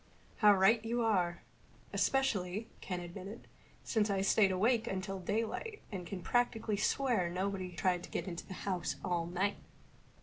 "How right you are. Especially," Ken admitted, "since I stayed awake until daylight and can practically swear nobody tried to get in the house all night."